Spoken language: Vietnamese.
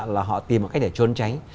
là họ tìm một cách để trốn tránh